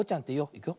いくよ。